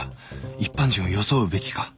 一般人を装うべきか？